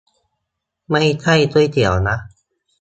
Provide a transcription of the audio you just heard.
ไม่ใช่ก๋วยเตี๋ยวนะ